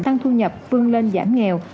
tăng thu nhập vương lên giảm nghèo